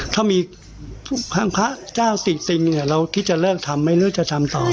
ถ้ามีพระเจ้าสิ่งเราที่จะเลิกทำไม่รู้จะทำต่อไง